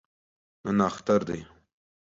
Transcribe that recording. نن اختر دی